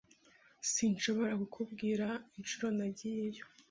Sinshobora kukubwira inshuro nagiyeyo.